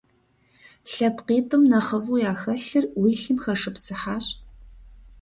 ЛъэпкъитӀым нэхъыфӀу яхэлъыр уи лъым хэшыпсыхьащ.